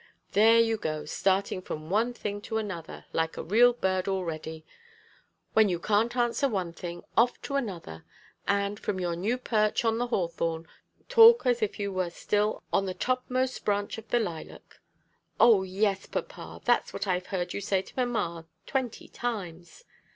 "There you go; starting from one thing to another, like a real bird already. When you can't answer one thing, off to another, and, from your new perch on the hawthorn, talk as if you were still on the topmost branch of the lilac!" "O, yes, papa! That's what I've heard you say to mamma twenty times."